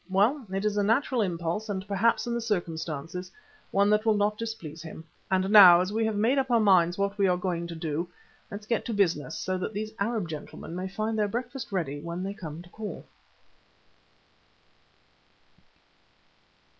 "Well, it is a natural impulse and perhaps, in the circumstances, one that will not displease Him. And now, as we have made up our minds what we are going to do, let's get to business so that these Arab gentlemen may find their breakfast ready when they come to call."